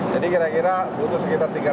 jadi kira kira butuh sekitar tiga ratus meter